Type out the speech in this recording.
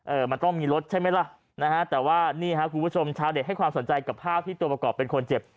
มันต้องมีรถใช่ไหมล่ะนะฮะแต่ว่านี่ฮะคุณผู้ชมชาวเน็ตให้ความสนใจกับภาพที่ตัวประกอบเป็นคนเจ็บ